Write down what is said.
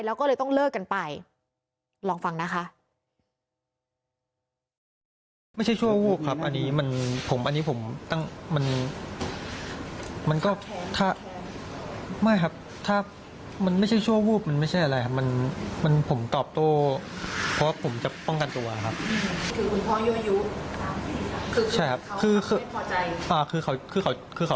แล้วก็เลยต้องเลิกกันไปลองฟังนะคะ